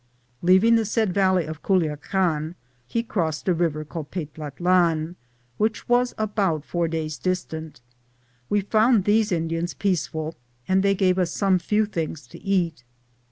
Leaving the said valley of Culiacan, he crossed a river called Pateatlan (or Peteat lan), which was about four days distant. We found these Indians peaceful, and they gave us some few things to eat.